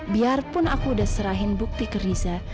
biarpun aku sudah serahkan bukti ke riza